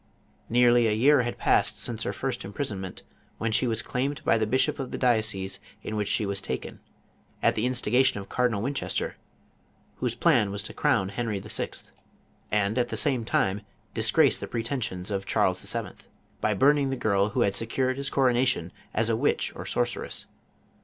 Nearly a year had passed since her first imprison ment, when she was claimed by the bishop of the dio cese in which she was taken, at the instigation of Car dinal \Yinchcstcr, whose plan was to crown Henry VI., JOAN OF ABC. 173 and at the same time disgrace the pretensions of Charles VII. by burning the girl who had secured his corona tion, as a witch or sorceress.